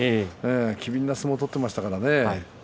機敏な相撲を取っていますね。